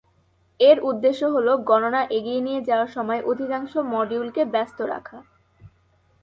এর উদ্দেশ্য হল গণনা এগিয়ে নিয়ে যাওয়ার সময় অধিকাংশ মডিউলকে ব্যস্ত রাখা।